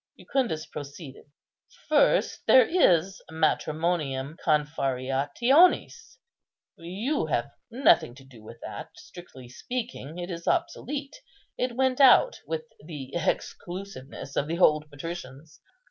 Jucundus proceeded—"First, there is matrimonium confarreationis. You have nothing to do with that: strictly speaking, it is obsolete; it went out with the exclusiveness of the old patricians.